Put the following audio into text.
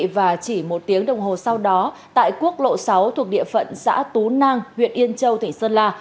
và chỉ một tiếng đồng hồ sau đó tại quốc lộ sáu thuộc địa phận xã tú nang huyện yên châu tỉnh sơn la